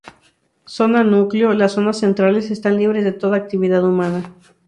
Zona núcleo: Las zonas centrales están libres de toda actividad humana.